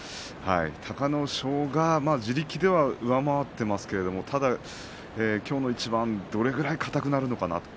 隆の勝が地力では上回っていますけどただきょうの一番どれくらい硬くなるのかなと。